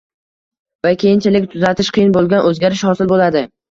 va keyinchalik tuzatish qiyin bo‘lgan o‘zgarish hosil bo‘ladi.